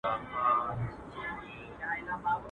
زیارتونه مي کړه ستړي ماته یو نه را رسیږي.